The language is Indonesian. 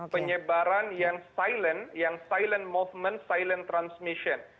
penyebaran yang silent yang silent movement silent transmission